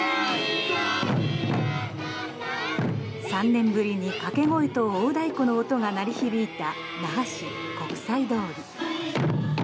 ３年ぶりに掛け声と大太鼓の音が鳴り響いた那覇市国際通り。